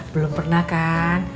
belum pernah kan